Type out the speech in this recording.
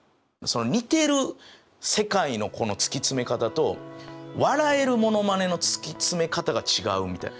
似てる世界のこの突き詰め方と笑えるモノマネの突き詰め方が違うみたいな。